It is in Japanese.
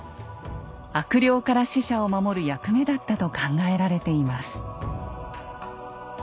悪霊から死者を守る役目だったと考えられています。